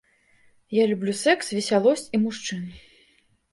Я люблю сэкс, весялосць і мужчын.